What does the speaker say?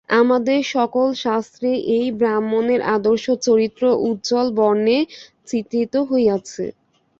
আমাদের সকল শাস্ত্রেই এই ব্রাহ্মণের আদর্শ চরিত্র উজ্জ্বল বর্ণে চিত্রিত হইয়াছে।